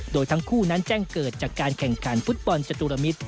โดยทั้งคู่นั้นแจ้งเกิดจากการแข่งขันฟุตบอลจตุรมิตร